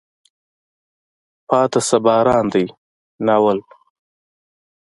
پاتې شه باران دی. ناول